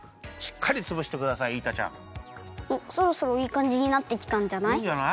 そろそろいいかんじになってきたんじゃない？